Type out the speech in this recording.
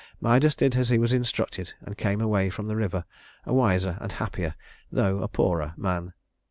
Midas did as he was instructed, and came away from the river a wiser and happier, though a poorer man.